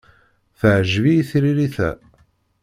Teɛjeb-iyi tririt-a.